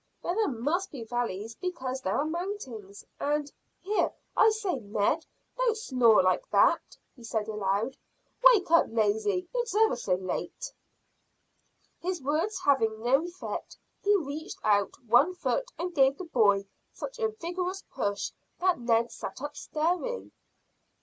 But there must be valleys because there are mountains, and Here, I say, Ned, don't snore like that," he said aloud. "Wake up, lazy! It's ever so late." His words having no effect, he reached out one foot and gave the boy such a vigorous push that Ned sat up, staring.